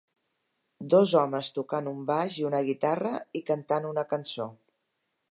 Dos homes tocant un baix i una guitarra i cantant una cançó.